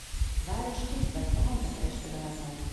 A város részt vett a hanza kereskedelemben.